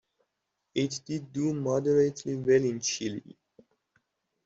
It did do moderately well in Chile.